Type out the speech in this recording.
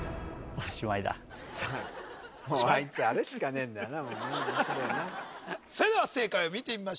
あいつあれしかねえんだよな